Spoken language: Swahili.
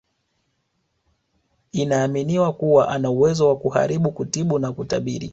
Inaaminiwa kuwa anauwezo wa kuharibu kutibu na kutabiri